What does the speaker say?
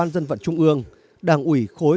vì vậy chúng tôi có rất nhiều lịch sử